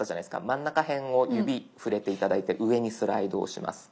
真ん中へんを指触れて頂いて上にスライドをします。